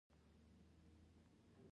د شیبر کچالو مشهور دي